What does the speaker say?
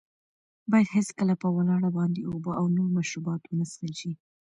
باید هېڅکله په ولاړه باندې اوبه او نور مشروبات ونه څښل شي.